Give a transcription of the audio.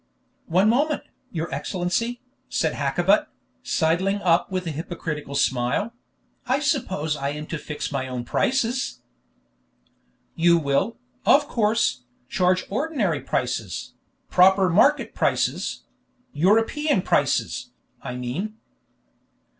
"One moment, your Excellency," said Hakkabut, sidling up with a hypocritical smile; "I suppose I am to fix my own prices." "You will, of course, charge ordinary prices proper market prices; European prices, I mean."